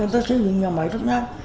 xây dựng nhà máy rất nát